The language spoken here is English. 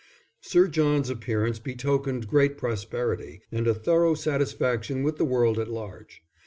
Sir John's appearance betokened great prosperity and a thorough satisfaction with the world at large.